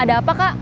ada apa kak